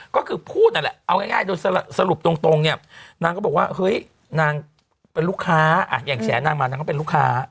ก็คือพูดนั่นแหละเอาง่ายโดยสรุปตรงเนี่ยนางก็บอกว่าเฮ้ยนางเป็นลูกค้าอย่างแฉนางมานางก็เป็นลูกค้า